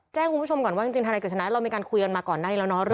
แจ้งคุณผู้ชมก่อนว่าจริงจริงทนายพริกชนะเรามีความคุยกันมาก่อนได้แล้วเนอะซ่าครับ